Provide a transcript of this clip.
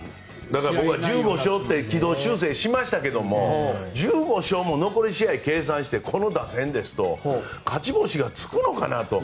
だから１５勝って軌道修正しましたけど１５勝も残り試合計算してこの打線ですと勝ち星がつくのかなと。